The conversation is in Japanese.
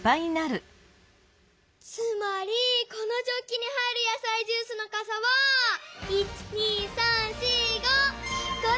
つまりこのジョッキに入るやさいジュースのかさは１２３４５！